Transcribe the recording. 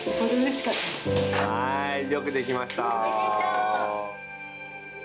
はいよくできました。